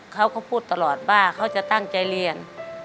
เขาก็พูดตลอดว่าเขาจะตั้งใจเรียน